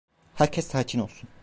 Herkes sakin olsun.